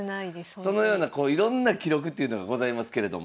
そのようなこういろんな記録っていうのがございますけれども。